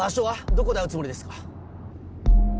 どこで会うつもりですか？